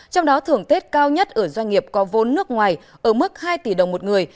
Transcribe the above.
trong đó thưởng tết cao nhất ở doanh nghiệp có vốn nước ngoài ở mức hai tỷ đồng một người